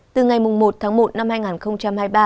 từ ngày một tháng một năm hai nghìn hai mươi ba